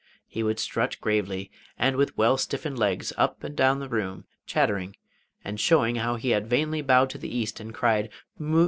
He would strut gravely, and with well stiffened legs, up and down the room, chattering, and showing how he had vainly bowed to the east and cried 'Mu...